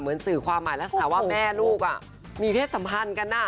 สื่อความหมายลักษณะว่าแม่ลูกมีเพศสัมพันธ์กัน